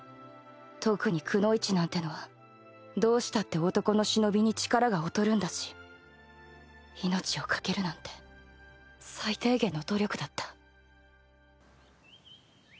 特にくノ一なんてのはどうしたって男の忍に力が劣るんだし命をかけるなんて最低限の努力だった